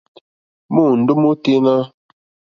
Môndó mótánà.